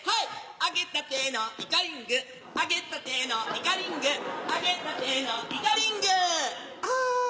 揚げたてのイカリング揚げたてのイカリング揚げたてのイカリングああ